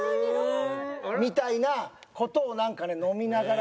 みたいな事をなんかね飲みながら。